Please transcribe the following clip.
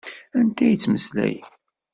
Anta i d-yettmeslayen?